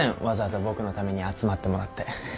わざわざ僕のために集まってもらって。